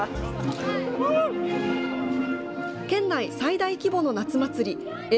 県内最大規模の夏祭りえ